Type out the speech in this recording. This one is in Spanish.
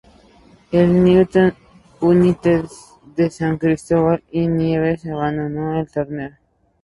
El Newtown United de San Cristóbal y Nieves abandonó el torneo.